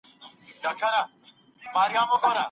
ذهني ازادي تر بل هر څه مهمه ده.